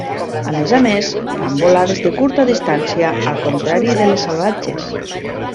A més a més, fan volades de curta distància, al contrari de les salvatges.